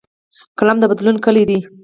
قلم د بدلون کلۍ ده